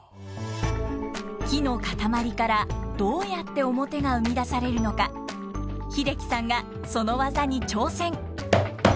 木の塊からどうやって面が生み出されるのか英樹さんがその技に挑戦！